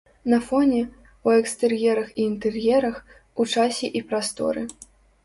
На фоне, у экстэр'ерах і інтэр'ерах, у часе і прасторы.